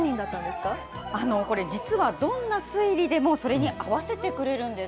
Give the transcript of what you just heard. これ、実はどんな推理でもそれに合わせてくれるんです。